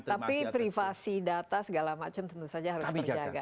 tapi privasi data segala macam tentu saja harus dijaga